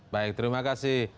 baik terima kasih